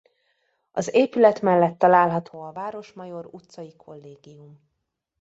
Az épület mellett található a Városmajor utcai kollégium.